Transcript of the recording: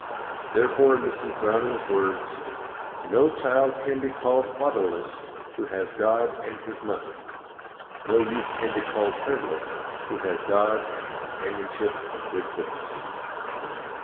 Therefore Mrs. Browning's words, "No child can be called fatherless who has God and his mother; no youth can be called friendless who has God and the companionship of good books."